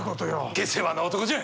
下世話な男じゃ。